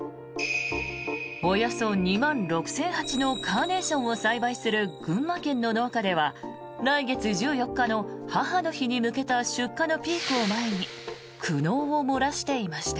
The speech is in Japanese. およそ２万６０００鉢のカーネーションを栽培する群馬県の農家では来月１４日の母の日に向けた出荷のピークを前に苦悩を漏らしていました。